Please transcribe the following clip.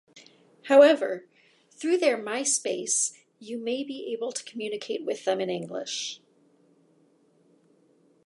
However, through their MySpace you may be able to communicate with them in English.